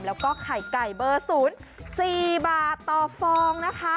แล้วก็ไข่ไก่เบอร์๐๔บาทต่อฟองนะคะ